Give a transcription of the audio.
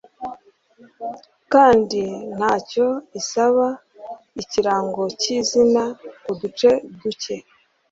kandi ntacyo isaba, ikirango cyizina, uduce duke